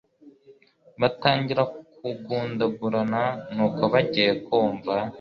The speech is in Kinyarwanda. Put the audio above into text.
batangira kugundagurana nuko bagiye kumva